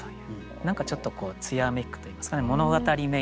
何かちょっとこう艶めくといいますかね物語めいた。